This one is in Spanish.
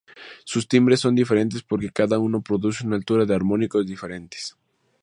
Sus timbres son diferentes porque cada uno produce una altura de armónicos diferentes.